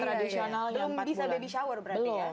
belum bisa baby shower berarti ya